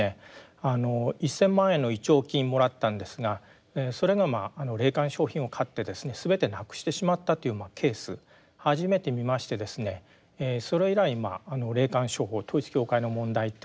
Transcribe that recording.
あの１，０００万円の弔慰金もらったんですがそれが霊感商品を買ってですね全てなくしてしまったというケース初めて見ましてですねそれ以来霊感商法統一教会の問題というのはやっております。